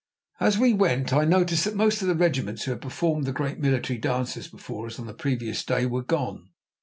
As we went, I noticed that most of the regiments who had performed the great military dances before us on the previous day were gone.